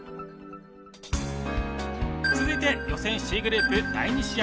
続いて予選Ｃグループ第２試合。